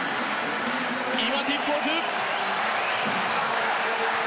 今、ティップオフ。